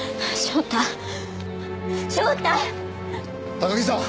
高木さん！